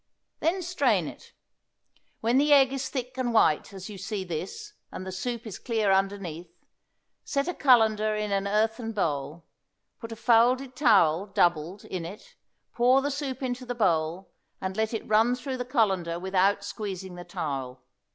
Then strain it. When the egg is thick and white, as you see this, and the soup is clear underneath, set a colander in an earthen bowl, put a folded towel, doubled, in it, pour the soup into the bowl, and let it run through the colander without squeezing the towel.